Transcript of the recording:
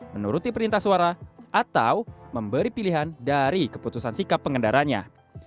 menuruti perintah suara atau memberi pilihan dari keputusan sikap pengendaranya